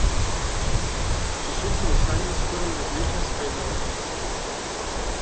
Sus últimos años fueron de muchas penurias.